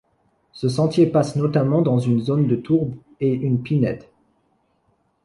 Ce sentier passe notamment dans une zone de tourbe et une pinède.